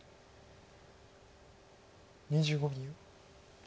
２５秒。